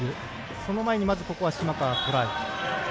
その前に、島川トライ。